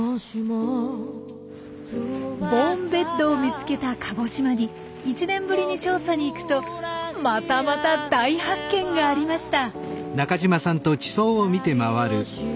ボーンベッドを見つけた鹿児島に１年ぶりに調査に行くとまたまた大発見がありました！